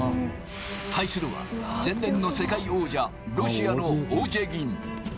対するは前年の世界王者、ロシアのオジェギン。